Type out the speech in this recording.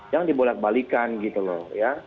jangan dibolak balikan gitu loh ya